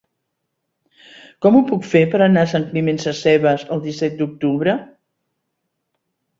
Com ho puc fer per anar a Sant Climent Sescebes el disset d'octubre?